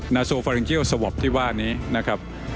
โซฟารินเกียวสวอปที่ว่านี้นะครับ